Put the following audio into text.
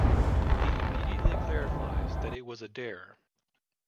He immediately clarifies that it was a dare.